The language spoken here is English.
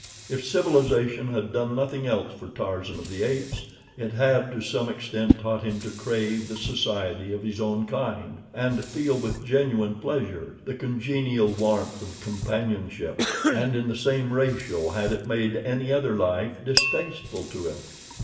If civilization had done nothing else for Tarzan of the Apes, it had to some extent taught him to crave the society of his own kind, and to feel with genuine pleasure the congenial warmth of companionship. And in the same ratio had it made any other life distasteful to him.